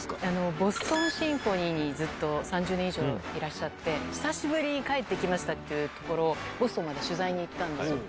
ボストンシンフォニーにずっと３０年以上いらっしゃって、久しぶりに帰ってきましたっていうところ、ボストンまで取材に行ったんですよ。